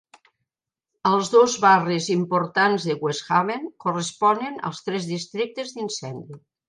Els dos barris importants de West Haven corresponen als tres districtes d'incendi.